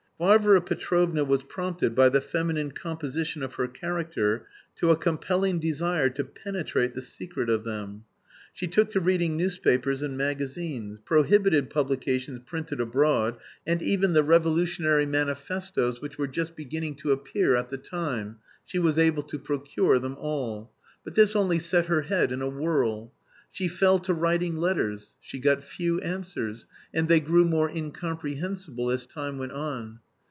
Varvara Petrovna was prompted by the feminine composition of her character to a compelling desire to penetrate the secret of them. She took to reading newspapers and magazines, prohibited publications printed abroad and even the revolutionary manifestoes which were just beginning to appear at the time (she was able to procure them all); but this only set her head in a whirl. She fell to writing letters; she got few answers, and they grew more incomprehensible as time went on.